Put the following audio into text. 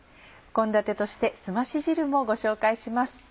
献立としてすまし汁もご紹介します。